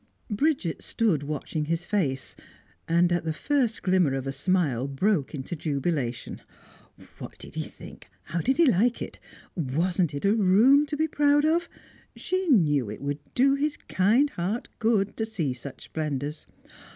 Bridget stood watching his face, and at the first glimmer of a smile broke into jubilation. What did he think? How did he like it? Wasn't it a room to be proud of? She knew it would do his kind heart good to see such splendours!